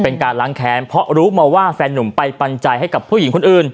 เป็นการล้างแค้นเพราะรู้มาว่าแฟนนุ่มไปปัญญาให้กับผู้หญิงคนอื่น